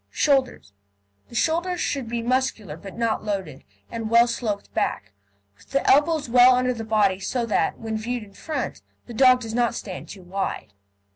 SHOULDERS The shoulders should be muscular but not loaded, and well sloped back, with the elbows well under the body, so that, when viewed in front, the dog does not stand too wide.